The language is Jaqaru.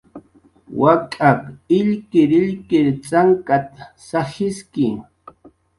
"Wak'aq illkirillkir t'ankat"" sajiski"